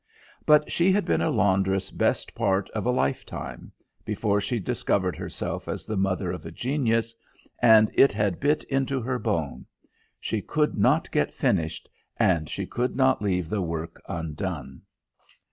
But she had been a laundress best part of a lifetime before she discovered herself as the mother of a genius and it had bit into her bone: she could not get finished, and she could not leave the work undone.